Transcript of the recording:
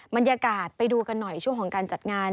บรรยากาศไปดูกันหน่อยช่วงของการจัดงาน